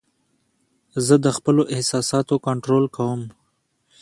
زه د خپلو احساساتو کنټرول کوم.